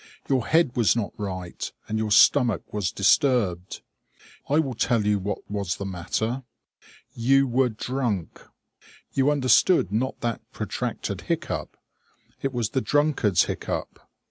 Your head was not right, and your stomach was disturbed. I will tell you what was the matter. You were drunk. You understood not that protracted hiccough; it was the drunkard's hiccough.